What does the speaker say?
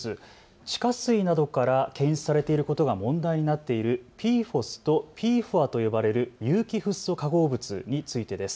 地下水などから検出されていることが問題になっているＰＦＯＳとＰＦＯＡと呼ばれる有機フッ素化合物についてです。